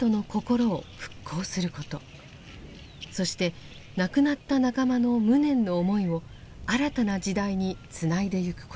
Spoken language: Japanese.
そして亡くなった仲間の無念の思いを新たな時代につないでゆくこと。